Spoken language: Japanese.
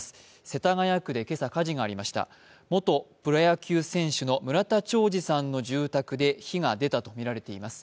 世田谷区で今朝、火事がありました元プロ野球選手の村田兆治さんの住宅で火が出たとみられています。